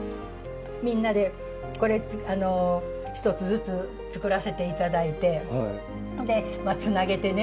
みんなで１つずつ作らせて頂いてでつなげてね